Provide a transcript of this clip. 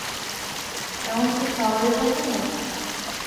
এমনকি শাওয়ারের সময়েও?